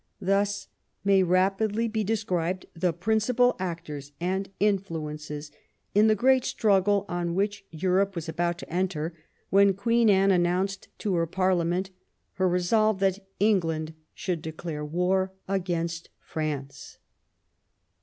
Thus may rapidly be described the principal actors and infiuences in the great struggle on which Europe was about to enter when Queen Anne announced to her Parliament her resolve that England should declare war against France.